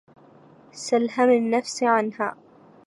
سل هم النفس عنها